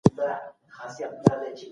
آیا لومړۍ مرحله د بریا مرحله ده؟